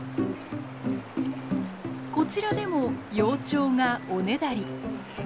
こちらでも幼鳥がおねだり。